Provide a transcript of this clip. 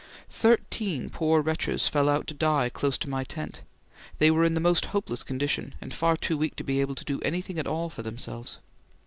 Thirteen poor wretches fell out to die close to my tent; they were in the most hopeless condition and far too weak to be able to do anything at all for themselves.